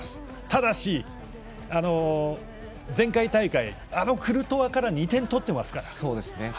ただし、前回大会であのクルトワから２点取ってますから。